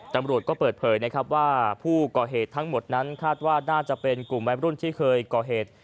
ตำรวจก็เปิดเผยนะครับว่าผู้ก่อเหตุทั้งหมดนั้นคาดว่าน่าจะเป็นกลุ่มวัยรุ่นที่เคยก่อเหตุ